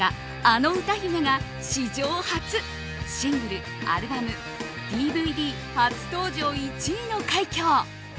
あの歌姫が史上初シングル、アルバム、ＤＶＤ初登場１位の快挙！